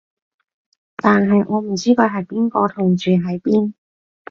但我唔知佢係邊個同住喺邊